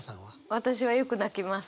私はよく泣きます。